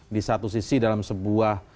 di satu sisi dalam sebuah